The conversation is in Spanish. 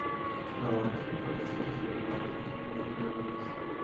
Normalmente son parásitos y patógenos del hombre y animales.